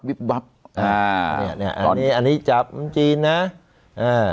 บวับอ่าเนี้ยเนี้ยอันนี้อันนี้จับมันจีนนะอ่า